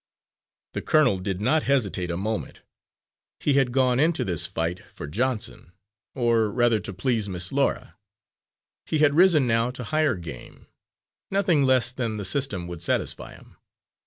The colonel did not hesitate a moment. He had gone into this fight for Johnson or rather to please Miss Laura. He had risen now to higher game; nothing less than the system would satisfy him.